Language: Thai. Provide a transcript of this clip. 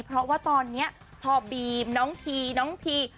เพราะว่าตอนนี้พอบีมน้องทีน้องพี